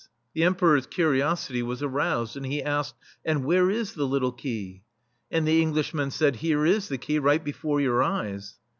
The Emperor's curiosity was aroused, and he asked :^' And where is the little key?'' And the Englishmen said :" Here is the key, right before your eyes."